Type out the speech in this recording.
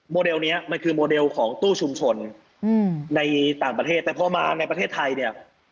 เลลนี้มันคือโมเดลของตู้ชุมชนในต่างประเทศแต่พอมาในประเทศไทยเนี่ย